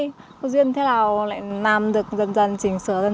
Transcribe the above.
thế là có duyên thế nào lại làm được dần dần chỉnh sửa dần